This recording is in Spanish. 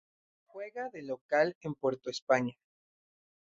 Juega de local en Puerto España.